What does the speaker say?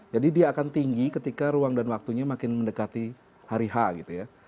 jadi dia akan tinggi ketika ruang dan waktunya makin mendekati hari h gitu ya